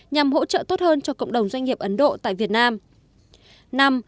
nhằm hỗ trợ tốt hơn cho cộng đồng doanh nghiệp ấn độ tại việt nam